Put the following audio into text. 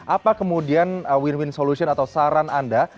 apa kemudian win win solution atau saran anda